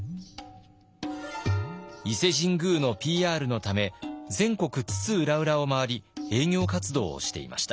伊勢神宮のＰＲのため全国津々浦々を回り営業活動をしていました。